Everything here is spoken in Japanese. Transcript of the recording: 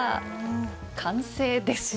完成です！